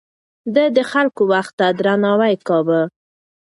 ده د خلکو وخت ته درناوی کاوه.